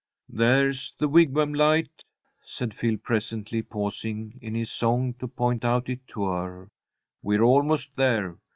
"There's the Wigwam light," said Phil, presently, pausing in his song to point it out to her. "We're almost there.